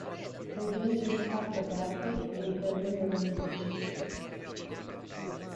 Predilige gli spazi aperti e i terreni dolomitici.